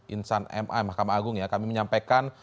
insan ma mahkamah agung ya kami menyampaikan